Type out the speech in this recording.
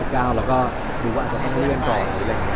เราก็ไม่รู้ว่าจะมีเรื่องก่อน